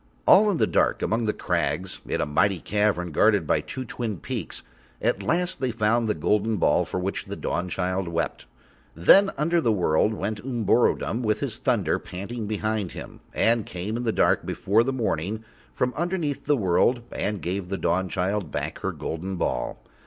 All in the dark among the crags in a mighty cavern, guarded by two twin peaks, at last they found the golden ball for which the Dawnchild wept. Then under the world went Umborodom with his thunder panting behind him, and came in the dark before the morning from underneath the world and gave the Dawnchild back her golden ball.